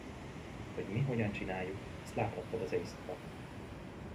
Hogy mi hogyan csináljuk, azt láthattad az éjszaka!